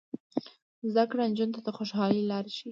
زده کړه نجونو ته د خوشحالۍ لارې ښيي.